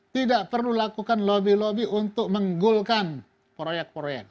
tidak perlu lakukan lobby lobby untuk menggolkan proyek proyek